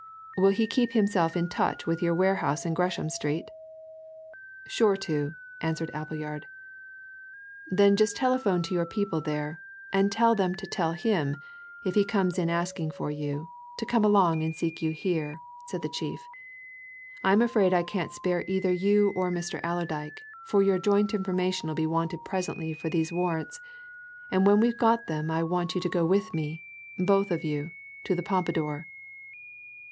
Will he keep himself in touch with your warehouse in Gresham Street?" "Sure to," answered Appleyard. "Then just telephone to your people there, and tell them to tell him, if he comes in asking for you, to come along and seek you here," said the chief. "I'm afraid I can't spare either you or Mr. Allerdyke, for your joint information'll be wanted presently for these warrants, and when we've got them I want you to go with me both of you to the Pompadour."